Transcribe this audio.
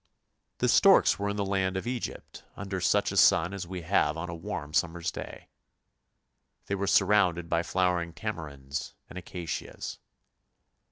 The storks were in the land of Egypt under such a sun as we have on a warm summer's day! They were surrounded by flowering tamarinds and acacias.